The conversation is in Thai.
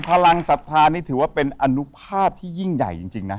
พลังศรัทธานี่ถือว่าเป็นอนุภาพที่ยิ่งใหญ่จริงนะ